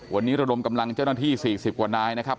วันนี้ระดมกำลังเจ้าหน้าที่๔๐กว่านายนะครับ